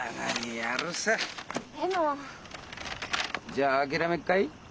じゃあ諦めっかい？